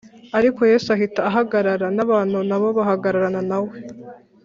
ariko yesu ahita ahagarara, n’abantu na bo bahagararana na we